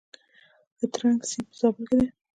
د ترنک سیند په زابل کې دی